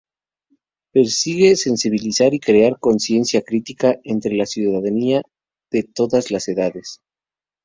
Persigue sensibilizar y crear una conciencia crítica entre la ciudadanía de todas las edades.